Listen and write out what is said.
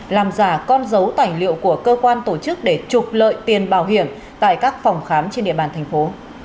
làm giả con dấu tài liệu của cơ quan tổ chức để trục lợi tiền bảo hiểm tại các phòng khám trên địa bàn thành phố